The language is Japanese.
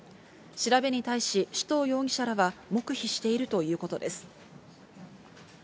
調べに対し、首藤容疑者らは黙秘しているということです。